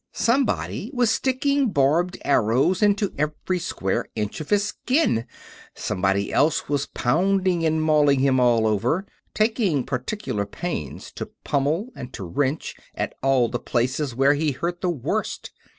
Somebody was sticking barbed arrows into every square inch of his skin; somebody else was pounding and mauling him all over, taking particular pains to pummel and to wrench at all the places where he hurt the worst.